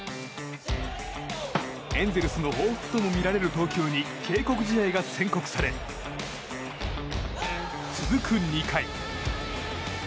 エンゼルスの報復ともみられる投球に警告試合が宣告され続く２回。